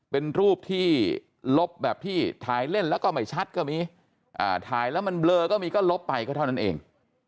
เป็นรูปที่ลบแบบที่ถ่ายเล่นแล้วก็ไม่ชัดก็มีถ่ายแล้วมันเบลอก็มีก็ลบไปก็เท่านั้นเอง